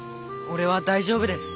俺は大丈夫です。